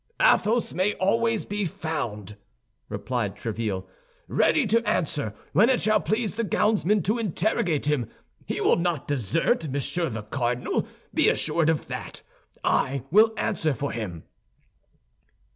"Athos may always be found," replied Tréville, "ready to answer, when it shall please the gownsmen to interrogate him. He will not desert, Monsieur the Cardinal, be assured of that; I will answer for him."